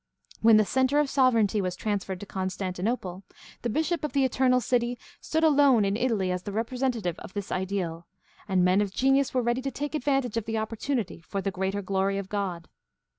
When the center of sovereignty was transferred to Constantinople, the Bishop of the Eternal City stood alone in Italy as the representative of this ideal, and men of genius were ready to take advantage of the opportunity, ''for the greater glory of God."